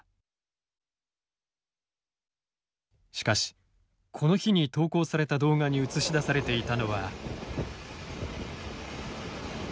しかしこの日に投稿された動画に映し出されていたのは。